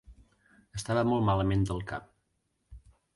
Estava molt malament del cap.